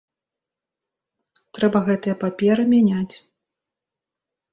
Трэба гэтыя паперы мяняць.